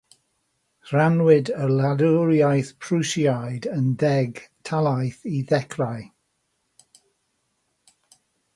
Rhannwyd y wladwriaeth Prwsiaidd yn ddeg talaith i ddechrau.